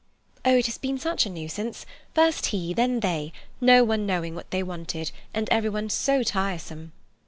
"Oh, it has been such a nuisance—first he, then they—no one knowing what they wanted, and everyone so tiresome."